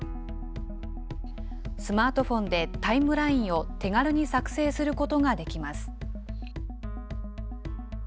スマートフォンでタイムラインを手軽に作成することができます。